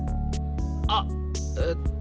あっえっと。